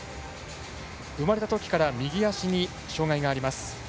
生まれたときから右足に障がいがあります。